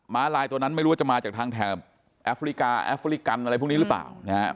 ้าลายตัวนั้นไม่รู้ว่าจะมาจากทางแถบแอฟริกาแอฟริกันอะไรพวกนี้หรือเปล่านะครับ